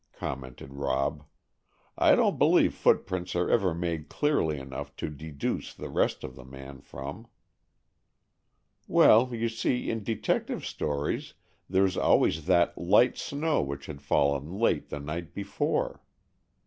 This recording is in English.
commented Rob. "I don't believe footprints are ever made clearly enough to deduce the rest of the man from." "Well, you see, in detective stories, there's always that 'light snow which had fallen late the night before.